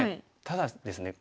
ただですね